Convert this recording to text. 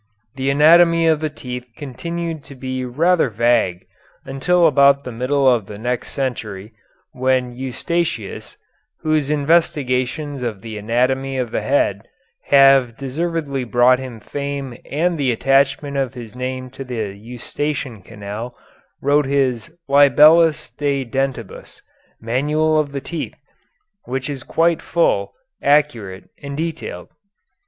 The anatomy of the teeth continued to be rather vague until about the middle of the next century when Eustachius, whose investigations of the anatomy of the head have deservedly brought him fame and the attachment of his name to the Eustachian canal, wrote his "Libellus de Dentibus Manual of the Teeth," which is quite full, accurate, and detailed.